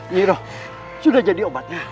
niro sudah jadi obatnya